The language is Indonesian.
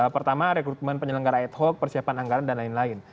pertama rekrutmen penyelenggara ad hoc persiapan anggaran dan lain lain